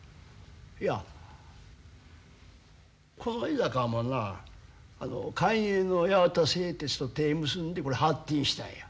いやこの江坂もなあ官営の八幡製鉄と手ぇ結んでこれ発展したんや。